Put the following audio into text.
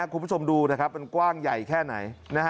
คุณผู้ชมดูนะครับมันกว้างใหญ่แค่ไหน